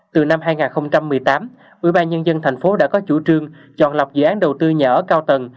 từ năm hai nghìn một mươi tám ubnd tp hcm đã có chủ trương chọn lọc dự án đầu tư nhà ở cao tầng